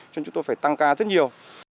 cho nên chúng tôi phải tăng ca rất nhiều